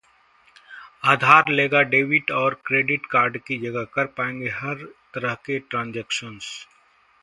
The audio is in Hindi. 'आधार' लेगा डेबिट और क्रेडिट कार्ड की जगह, कर पाएंगे हर तरह के ट्रांजैक्शन